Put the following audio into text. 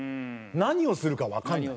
何をするかわかんない。